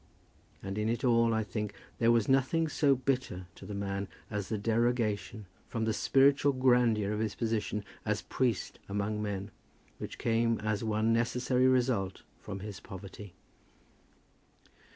And in it all, I think, there was nothing so bitter to the man as the derogation from the spiritual grandeur of his position as priest among men, which came as one necessary result from his poverty.